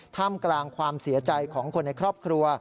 ท่ามกลางความเสียใจของคนในครอบครัว